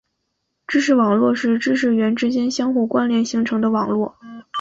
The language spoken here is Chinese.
知识网络是知识元之间相互关联形成的网络。